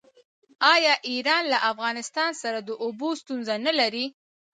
آیا ایران له افغانستان سره د اوبو ستونزه نلري؟